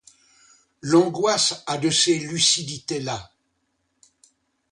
L'angoisse a de ces lucidités-là.